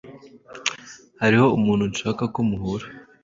Hariho umuntu nshaka ko muhura.